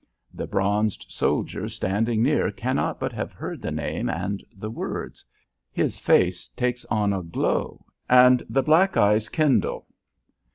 The bronzed soldier standing near cannot but have heard the name and the words. His face takes on a glow and the black eyes kindle.